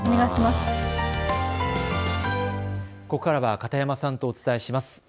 ここからは片山さんとお伝えします。